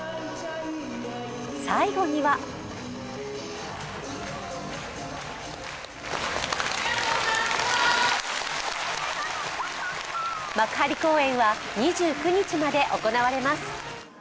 最後には幕張公園は２９日まで行われます。